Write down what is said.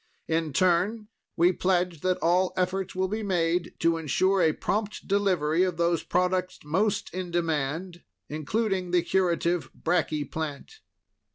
In turn, we pledge that all efforts will be made to ensure a prompt delivery of those products most in demand, including the curative bracky plant."